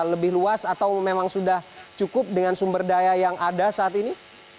lebih luas atau memang sudah cukup dengan sumber daya yang ada saat ini